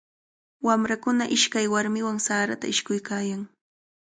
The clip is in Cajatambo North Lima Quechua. Wamrakuna ishkay warmiwan sarata ishkuykan.